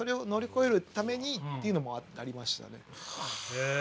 へえ！